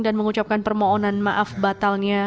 dan mengucapkan permohonan maaf batalnya